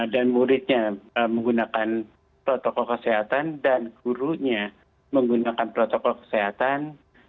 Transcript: dan muridnya menggunakan protokol kesehatan dan gurunya menggunakan protokol kesehatan